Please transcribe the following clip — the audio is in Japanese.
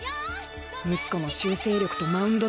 睦子の修正力とマウンド